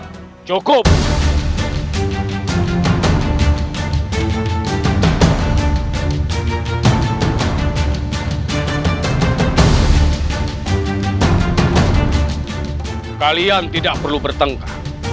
terima kasih kalian telah membantu aku